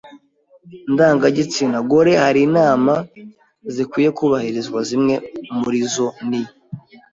ndangagitsina gore hari inama zikwiye kubahirizwa Zimwe muri zo ni